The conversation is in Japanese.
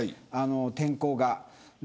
天候が。